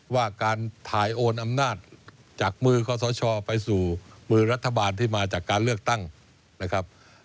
ว่าการถ่ายโอนอำนาจจากมือขอสชไปสู่มือรัฐบาลที่มาจากการเลือกตั้งนะครับ